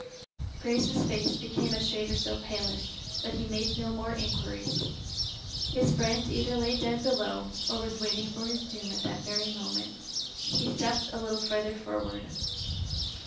Grace's face became a shade or so paler, but he made no more inquiries. His friend either lay dead below, or was waiting for his doom at that very moment. He stepped a little farther forward.